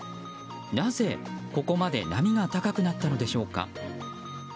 なぜ、ここまで波が高くなったのでしょうか。